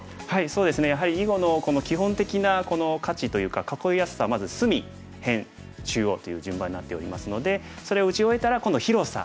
そうですねやはり囲碁の基本的な価値というか囲いやすさはまず隅辺中央という順番になっておりますのでそれを打ち終えたら今度は広さ